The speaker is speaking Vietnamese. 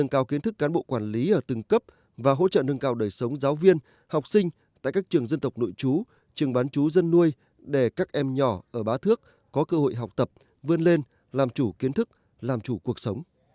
các kiến thức cán bộ quản lý ở từng cấp và hỗ trợ nâng cao đời sống giáo viên học sinh tại các trường dân tộc nội chú trường bán chú dân nuôi để các em nhỏ ở bá thước có cơ hội học tập vươn lên làm chủ kiến thức làm chủ cuộc sống